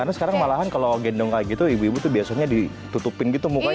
karena sekarang malahan kalau gendong kayak gitu ibu ibu itu biasanya ditutupin gitu mukanya kan